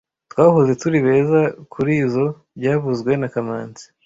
Twahoze turi beza kurizoi byavuzwe na kamanzi